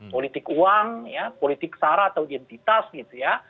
politik uang ya politik sara atau identitas gitu ya